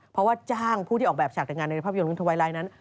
เพราะว่าจ้างผู้ที่ออกแบบฉากแต่งงานในภาพยนตรุธวัยลายนั้น